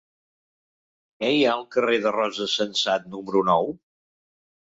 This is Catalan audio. Què hi ha al carrer de Rosa Sensat número nou?